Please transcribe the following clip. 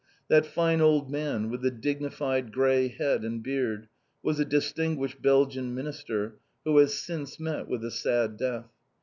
That fine old man, with the dignified grey head and beard, was a distinguished Belgian minister, who has since met with a sad death.